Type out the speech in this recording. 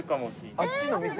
あっちの店？